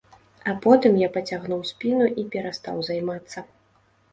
А потым я пацягнуў спіну і перастаў займацца.